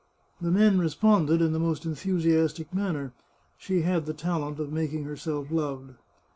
The men responded in the most enthusiastic manner ; she had the talent of making herself loved.